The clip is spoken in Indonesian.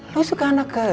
lo suka anak kecil ya